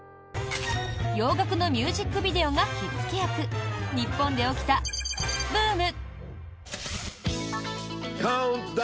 洋楽のミュージックビデオが火付け役日本で起きた〇〇ブーム！